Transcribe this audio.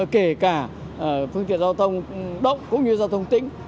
kể cả phương tiện giao thông động cũng như giao thông tĩnh